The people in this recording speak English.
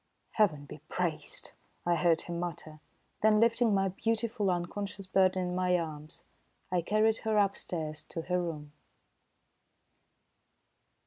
"Heaven be praised!" I heard him mutter. Then lifting my beautiful, unconscious burden in my arms, I carried her upstairs to her room.